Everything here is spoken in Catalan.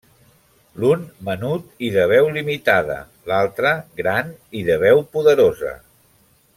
L’un menut i de veu limitada, l’altre gran i de veu poderosa.